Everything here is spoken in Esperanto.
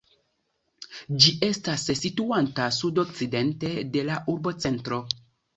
Ĝi estas situanta sudokcidente de la urbocentro.